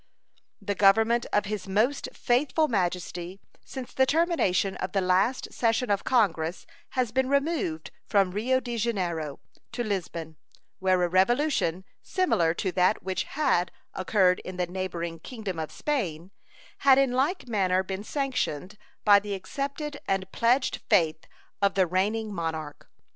The Government of His Most Faithful Majesty since the termination of the last session of Congress has been removed from Rio de Janeiro to Lisbon, where a revolution similar to that which had occurred in the neighboring Kingdom of Spain had in like manner been sanctioned by the accepted and pledged faith of the reigning monarch.